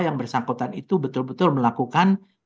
yang bersangkutan itu betul betul melakukan